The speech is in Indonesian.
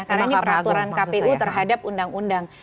karena ini peraturan kpu terhadap undang undang